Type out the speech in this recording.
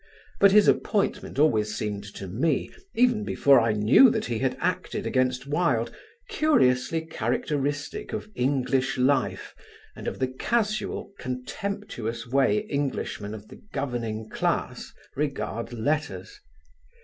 But his appointment always seemed to me, even before I knew that he had acted against Wilde, curiously characteristic of English life and of the casual, contemptuous way Englishmen of the governing class regard letters.